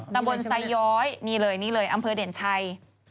ตะบนไซย้อยนี่เลยอำเภอเด่นชัย